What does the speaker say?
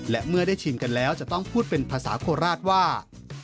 และเมื่อได้ชิมกันแล้วจะต้องพูดเป็นภาษาโคราชว่า